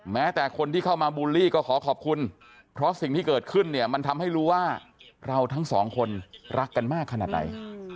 แม้แต่คนที่เข้ามาบูลลี่ก็ขอขอบคุณเพราะสิ่งที่เกิดขึ้นเนี่ยมันทำให้รู้ว่าเราทั้งสองคนรักกันมากขนาดไหน